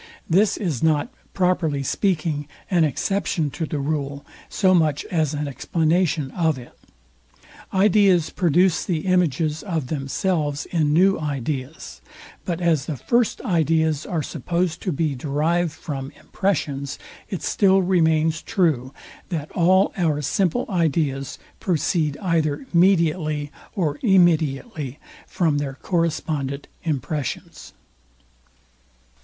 This is not, properly speaking, an exception to the rule so much as an explanation of it. Ideas produce the images of themselves in new ideas; but as the first ideas are supposed to be derived from impressions, it still remains true, that all our simple ideas proceed either mediately or immediately, from their correspondent impressions.